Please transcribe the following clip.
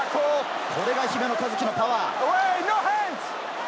これが姫野和樹のパワー。